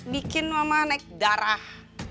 bikin mama naik darah